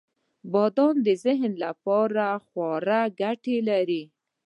• بادام د ذهن لپاره خورا ګټور دی.